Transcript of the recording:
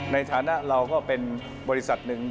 ในฐานะเราก็เป็นบริษัทหนึ่ง